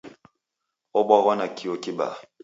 Obwaghwa nakio kibaa.